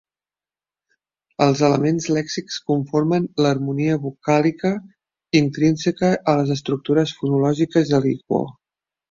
Els elements lèxics conformen l'harmonia vocàlica intrínseca a les estructures fonològiques de l'igbo.